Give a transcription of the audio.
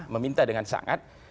meminta dengan sangat